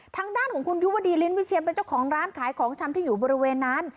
ทางด้านของคุณยุวดีลิ้นวิเชียนเป็นเจ้าของร้านขายของชำที่อยู่บริเวณนั้น